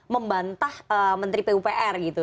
membantah menteri pupr gitu